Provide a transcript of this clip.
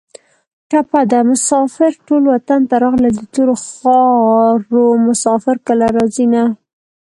ټپه ده: مسافر ټول وطن ته راغلل د تورو خارو مسافر کله راځینه